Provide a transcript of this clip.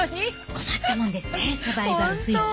困ったもんですねサバイバル・スイッチ。